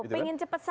pengen cepat sampai